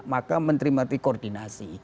maka menteri menteri koordinasi